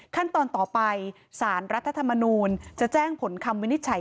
ขั้นตอนต่อไปสารรัฐธรรมนูลจะแจ้งผลคำวินิจฉัย